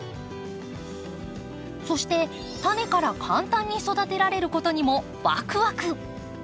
そしてタネから簡単に育てられることにもワクワク！